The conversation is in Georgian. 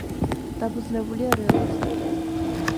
დაფუძნებულია რეალურ ისტორიაზე.